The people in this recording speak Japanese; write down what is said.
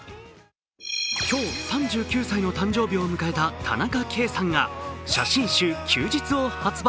今日３９歳の誕生日を迎えた田中圭さんが写真集「休日」を発売。